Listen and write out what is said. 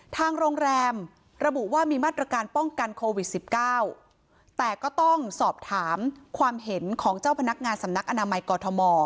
ทางโรงแรมระบุว่ามีมาตรการป้องกันโควิดสิบเก้าแต่ก็ต้องสอบถามความเห็นของเจ้าพนักงานสำนักอนามัยกอทม